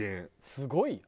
すごいよ。